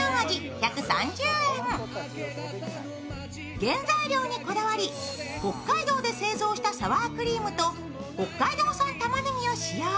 原材料にこだわり、北海道で製造したサワークリームと北海道産たまねぎを使用。